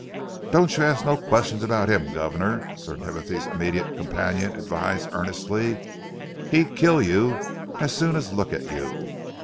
"Don't you ask no questions about 'im, guvnor," Sir Timothy's immediate companion advised earnestly. "He'd kill you as soon as look at you.